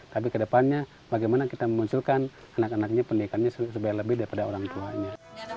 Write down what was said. tapi kedepannya bagaimana kita memunculkan anak anaknya pendidikannya supaya lebih daripada orang tuanya